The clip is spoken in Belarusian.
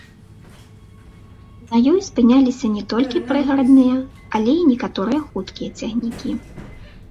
На ёй спыняліся не толькі прыгарадныя, але і некаторыя хуткія цягнікі.